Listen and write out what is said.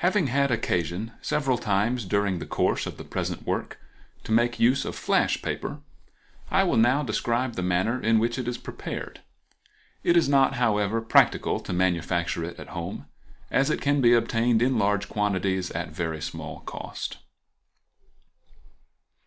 —Having had occasion several times during the course of the present work to make use of "flash paper," I will now describe the manner in which it is prepared. It is not, however, practical to manufacture it at home, as it can be obtained in large quantities at a very small cost.